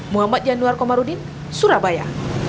muhammad januar komarudin surabaya